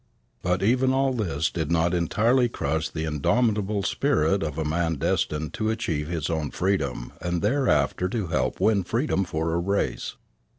But even all this did not entirely crush the indomitable spirit of a man destined to achieve his own freedom and thereafter to help win freedom for a race.